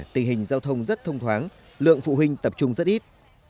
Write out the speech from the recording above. tình hình giao thông rất thông thoáng lượng phụ huynh tập trung rất ít